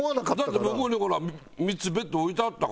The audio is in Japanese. だって向こうにほら３つベッド置いてあったから。